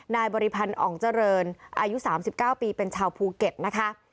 บริพันธ์อ่องเจริญอายุ๓๙ปีเป็นชาวภูเก็ตนะคะ